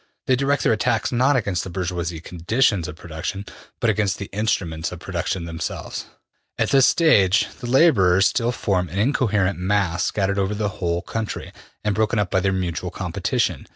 They direct their attacks not against the bourgeois conditions of production, but against the instruments of production themselves.'' ``At this stage the laborers still form an incoherent mass scattered over the whole country, and broken up by their mutual competition.